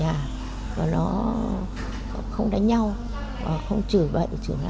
những nhà nó chơi quanh nhà và nó không đánh nhau không chửi bệnh chửi náo náo